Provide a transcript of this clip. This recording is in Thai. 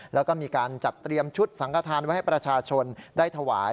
แล้วก็มีการจัดเตรียมชุดสังขทานไว้ให้ประชาชนได้ถวาย